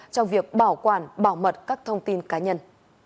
trong việc bảo quản bảo mật các thông tin cá nhân